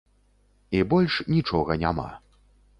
І больш нічога няма.